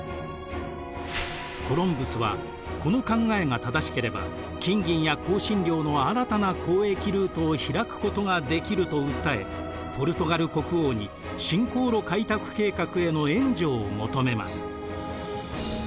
コロンブスはこの考えが正しければ金銀や香辛料の新たな交易ルートを開くことができると訴えポルトガル国王に新航路開拓計画への援助を求めます。